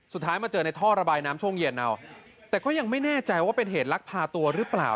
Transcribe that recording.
มาเจอในท่อระบายน้ำช่วงเย็นเอาแต่ก็ยังไม่แน่ใจว่าเป็นเหตุลักพาตัวหรือเปล่า